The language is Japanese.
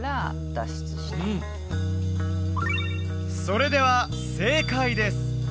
それでは正解です